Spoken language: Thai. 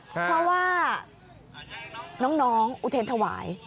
เพราะว่าน้องอุเทรนธวาย